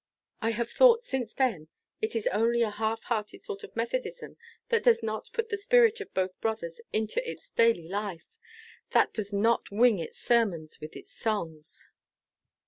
I have thought, since then, it is only a half hearted sort of Methodism that does not put the spirit of both brothers into its daily life that does not wing its sermons with its songs."